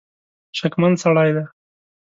شکمن سړی دی.